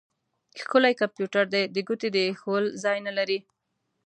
ښکلی کمپيوټر دی؛ د ګوتې د اېښول ځای نه لري.